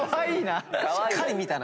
しっかり見たな。